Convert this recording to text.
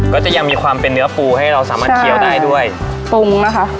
ก็ยังมีความเป็นเนื้อปูให้เราสามารถเคี้ยวได้ด้วยปรุงนะคะ